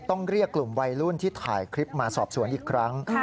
ต้องเรียกกลุ่มวัยรุ่นที่ถ่ายคลิปมาสอบสวนอีกครั้ง